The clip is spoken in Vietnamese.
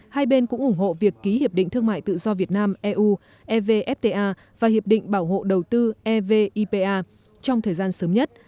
hai bên cũng ủng hộ việc ký hiệp định thương mại tự do việt nam eu evfta và hiệp định bảo hộ đầu tư evipa trong thời gian sớm nhất